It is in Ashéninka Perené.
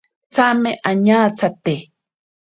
Tsame añatsate.